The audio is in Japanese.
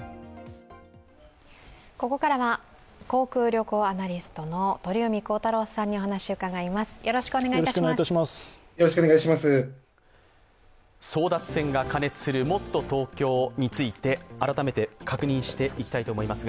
ここからは航空・旅行アナリストの鳥海高太朗さんにお話を伺います。